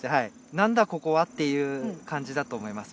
何だここは？っていう感じだと思います。